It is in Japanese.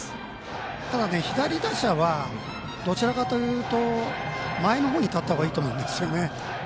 ただ、左打者はどちらかというと前の方に立った方がいいと思うんですよね。